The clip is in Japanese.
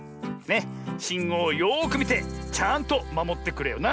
しんごうをよくみてちゃんとまもってくれよな！